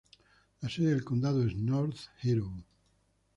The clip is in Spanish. La sede del condado es North Hero.